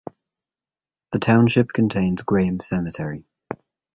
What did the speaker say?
The township contains Graham Cemetery.